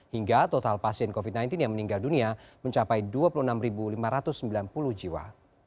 hingga total pasien covid sembilan belas yang meninggal dunia mencapai dua puluh enam lima ratus sembilan puluh jiwa